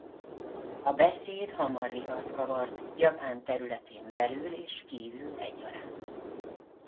A beszéd hamar vihart kavart Japán területén belül és kívül egyaránt.